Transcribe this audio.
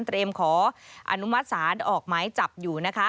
เตรียมขออนุมัติศาสตร์ออกหมายจับอยู่นะคะ